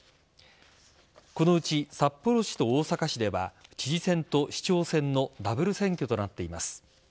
このうち、札幌市と大阪市では知事選と市長選のダブル選挙となっています。